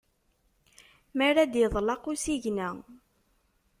Mi ara d-iḍelq usigna.